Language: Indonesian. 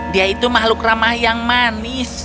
dia itu makhluk ramah yang manis